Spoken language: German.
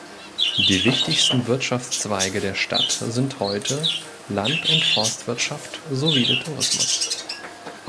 Die wichtigsten Wirtschaftszweige der Stadt sind heute Land- und Forstwirtschaft sowie der Tourismus.